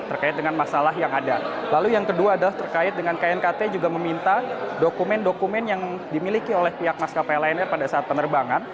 terkait dengan masalah yang ada lalu yang kedua adalah terkait dengan knkt juga meminta dokumen dokumen yang dimiliki oleh pihak maskapai lion air pada saat penerbangan